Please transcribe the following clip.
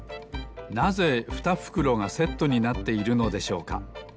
なぜ２ふくろがセットになっているのでしょうか？